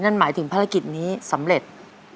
นั่นหมายถึงภารกิจนี้สำเร็จ